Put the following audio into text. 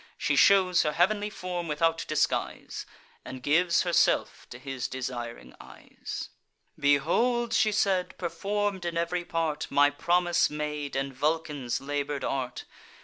She shews her heav'nly form without disguise, And gives herself to his desiring eyes. "Behold," she said, "perform'd in ev'ry part, My promise made, and Vulcan's labour'd art.